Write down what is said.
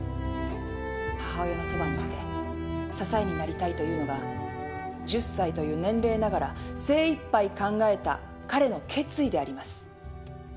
母親のそばにいて支えになりたいというのが１０歳という年齢ながら精一杯考えた彼の決意であります。